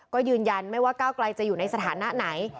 ก็ยืนยันไม่ว่าก้าวไกลจะอยู่ในสถานะไหน